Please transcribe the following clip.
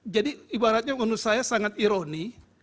jadi ibaratnya menurut saya sangat ironi